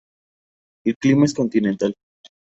El clima es continental.